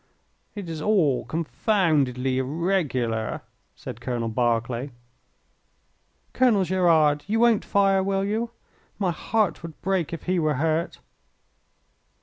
"It is all confoundedly irregular," said Colonel Berkeley. "Colonel Gerard, you won't fire, will you? My heart would break if he were hurt."